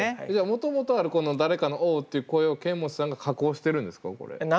もともとあるこの誰かの「おう」という声をケンモチさんが加工しているんですか？